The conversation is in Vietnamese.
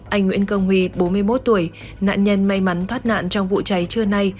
anh nguyễn công huy bốn mươi một tuổi nạn nhân may mắn thoát nạn trong vụ cháy trưa nay